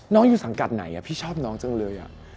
น้องอยู่สังกัดไหนพี่ชอบน้องจังเลย